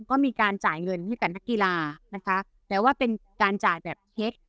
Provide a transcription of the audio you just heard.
ก็มีการจ่ายเงินให้กับนักกีฬานะคะแต่ว่าเป็นการจ่ายแบบเช็ค